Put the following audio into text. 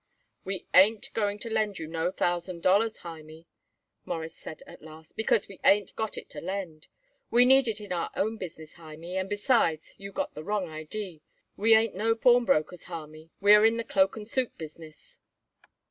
"We ain't going to lend you no thousand dollars, Hymie," Morris said at last, "because we ain't got it to lend. We need it in our own business, Hymie, and, besides, you got the wrong idee. We ain't no pawnbrokers, Hymie; we are in the cloak and suit business."